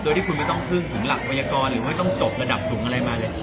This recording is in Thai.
โดยที่คุณไม่ต้องพึ่งถึงหลักวัยกรหรือว่าต้องจบระดับสูงอะไรมาเลย